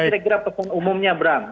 itu kira kira pepengumumnya berang